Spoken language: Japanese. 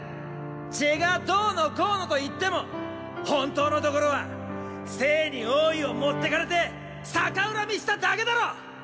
血がどうのこうのと言っても本当のところは政に王位をもってかれて逆恨みしただけだろ！